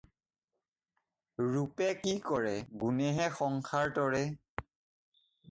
ৰূপে কি কৰে, গুণেহে সংসাৰ তৰে।